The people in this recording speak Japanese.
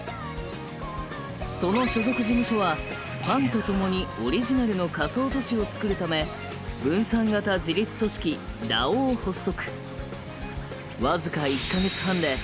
その所属事務所はファンと共にオリジナルの仮想都市を作るため分散型自律組織ＤＡＯを発足。